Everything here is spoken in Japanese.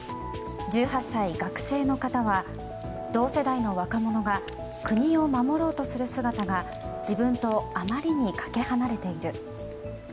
１８歳、学生の方は同世代の若者が国を守ろうとする姿が自分とあまりにかけ離れている。